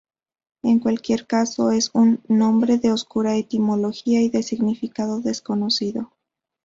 En cualquier caso es un nombre de oscura etimología y de significado desconocido.